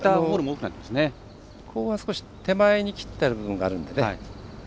きょうは少し手前に切ってある部分があるのでね。